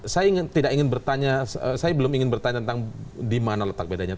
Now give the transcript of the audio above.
saya belum ingin bertanya tentang di mana letak bedanya